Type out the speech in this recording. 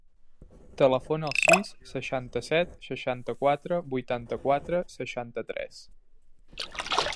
Telefona al sis, seixanta-set, seixanta-quatre, vuitanta-quatre, seixanta-tres.